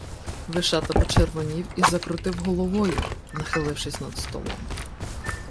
Вишата почервонів і закрутив головою, нахилившись над столом.